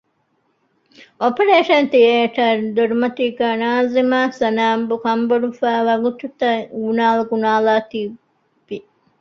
އޮޕަރޭޝަން ތިއޭޓަރގެ ދޮރުމަތީގައި ނާޒިމްއާއި ސަނާ ކަންބޮޑުވެފައި ވަގުތުތައް ގުނާލަ ގުނާލާ ތިވި